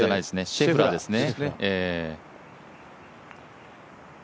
シェフラーでしたね。